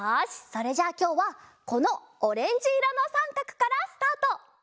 それじゃあきょうはこのオレンジいろのさんかくからスタート。